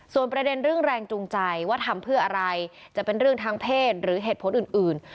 ส่วนประเด็นเรื่องแรงจูงใจว่าทำเพื่ออะไรจะเป็นเรื่องทางเพศหรือเหตุผลอื่น